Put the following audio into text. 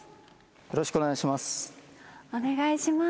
よろしくお願いします。